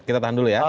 kita tahan dulu ya